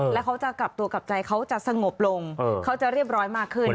แล้วเขาจะกลับตัวกลับใจเขาจะสงบลงเขาจะเรียบร้อยมากขึ้น